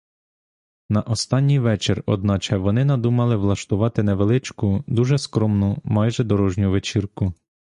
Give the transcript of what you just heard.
На останній вечір, одначе, вони надумали влаштувати невеличку, дуже скромну, майже дорожню вечірку.